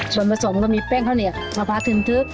ส่วนผสมเรามีแป้งข้าวเหนียวมะพร้าทึมทึก